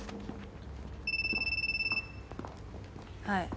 はい。